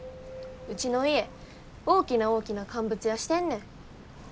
ウチの家大きな大きな乾物屋してんねん。